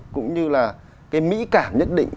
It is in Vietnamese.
cũng như là mỹ cảm nhất định